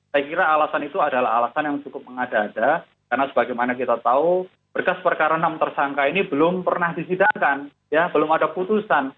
saya kira alasan itu adalah alasan yang cukup mengada ada karena sebagaimana kita tahu berkas perkara enam tersangka ini belum pernah disidangkan belum ada putusan